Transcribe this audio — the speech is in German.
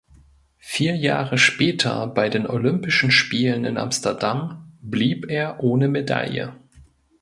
Vier Jahre später bei den Olympischen Spielen in Amsterdam blieb er ohne Medaille.